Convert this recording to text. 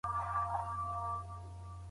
د محصلینو لیکني د استادانو له خوا ارزیابي کيږي.